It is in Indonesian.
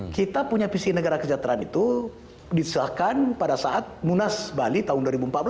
kita punya visi negara kesejahteraan itu diserahkan pada saat munas bali tahun dua ribu empat belas